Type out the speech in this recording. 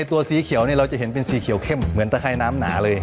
ตัวสีเขียวเราจะเห็นเป็นสีเขียวเข้มเหมือนตะไข้น้ำหนาเลย